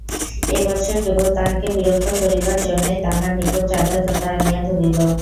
এ বৎসর কেবল তাহাকে বিরক্ত করিবার জন্যই তাহার নিকট চাঁদার খাতা আনিয়া ধরিল।